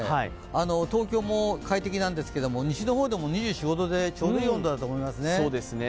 東京も快適なんですけど、西のほうでも２４２５度でちょうどいい温度だと思いますね。